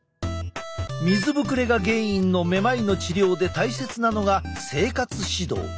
水ぶくれが原因のめまいの治療で大切なのが生活指導。